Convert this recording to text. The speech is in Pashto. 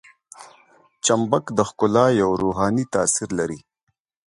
چمبک د ښکلا یو روحاني تاثیر لري.